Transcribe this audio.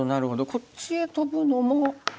こっちへトブのも。